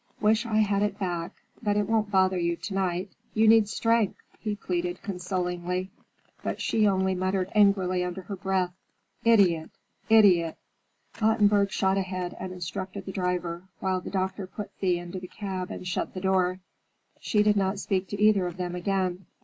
"Wish I had it back! But it won't bother you, to night. You need strength," he pleaded consolingly. But she only muttered angrily under her breath, "Idiot, idiot!" Ottenburg shot ahead and instructed the driver, while the doctor put Thea into the cab and shut the door. She did not speak to either of them again.